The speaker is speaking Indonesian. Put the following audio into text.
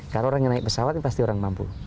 karena orang yang naik pesawat ini pasti orang mampu